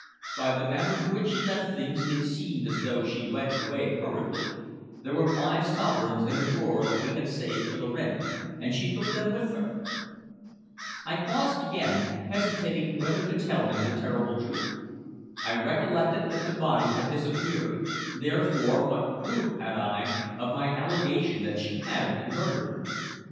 "By the manner in which she left things, it seemed as though she went away hurriedly. There were five sovereigns in a drawer that we had saved for the rent, and she took them with her." I paused again, hesitating whether to tell him the terrible truth. I recollected that the body had disappeared, therefore what proof had I of my allegation that she had been murdered?